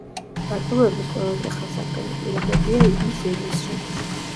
დაკვირვების ყველაზე ხელსაყრელი პირობებია ივნის-ივლისში.